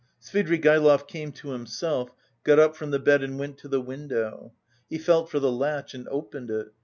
Svidrigaïlov came to himself, got up from the bed and went to the window. He felt for the latch and opened it.